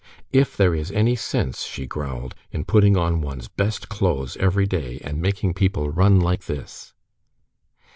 "If there is any sense," she growled, "in putting on one's best clothes every day, and making people run like this!"